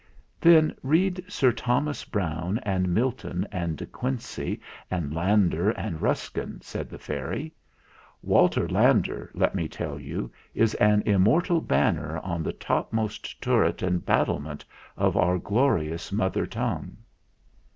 "Then read Sir Thomas Browne and Milton and De Quincey and Landor and Ruskin," said the fairy. "Walter Landor, let me tell you, is an immortal banner on the topmost turret and battlement of our glorious mother tongue!"